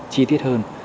chi tiết hơn